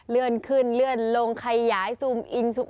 เลื่อนขึ้นเลื่อนลงขยายซูมอินซูม